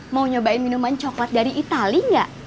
mau nyobain minuman coklat dari itali nggak